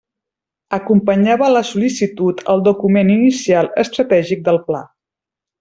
Acompanyava la sol·licitud el document inicial estratègic del Pla.